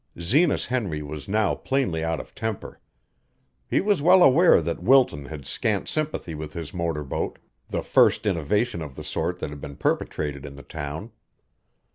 Zenas Henry was now plainly out of temper. He was well aware that Wilton had scant sympathy with his motor boat, the first innovation of the sort that had been perpetrated in the town.